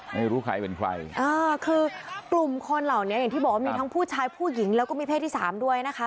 ไม่รู้ใครเป็นใครอ่าคือกลุ่มคนเหล่านี้อย่างที่บอกว่ามีทั้งผู้ชายผู้หญิงแล้วก็มีเพศที่สามด้วยนะคะ